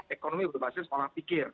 ekonomi berbasis orang pikir